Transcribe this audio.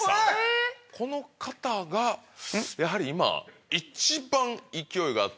この方がやはり今。